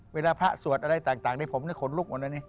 เวลาพระสวดอะไรต่างผมได้โขลุกหมดนะนี่